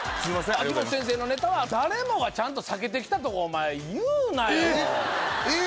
秋元先生のネタは誰もがちゃんと避けてきたとかお前言うなよえっ